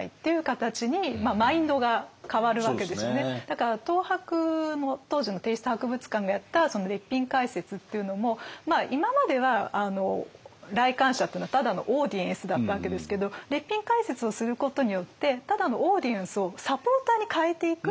だから東博当時の帝室博物館がやった列品解説っていうのも今までは来館者っていうのはただのオーディエンスだったわけですけど列品解説をすることによってただのオーディエンスをサポーターに変えていく。